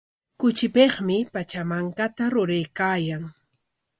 Kuchipikmi Pachamankata ruraykaayan.